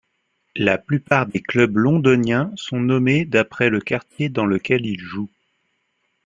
La plupart des clubs londoniens sont nommés d'après le quartier dans lequel ils jouent.